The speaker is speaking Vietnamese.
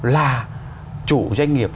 là chủ doanh nghiệp